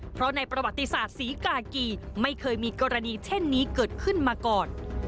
เพราะในประวัติศาสตร์ศรีกากีไม่เคยมีกรณีเช่นนี้เกิดขึ้นมาก่อน